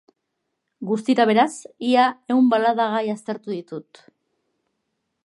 Guztira, beraz, ia ehun balada gai aztertu ditut.